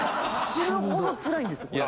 死ぬほどつらいんですよこれ。